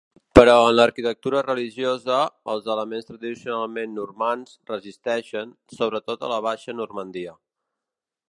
Però en l'arquitectura religiosa, els elements tradicionalment normands resisteixen, sobretot a la Baixa Normandia.